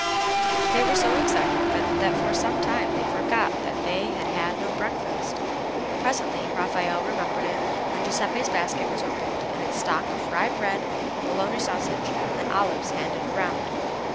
They were so excited that for some time they forgot they had had no breakfast. Presently Raffaelle remembered it, and Giuseppe's basket was opened and its stock of rye bread, bologna sausage and olives handed around.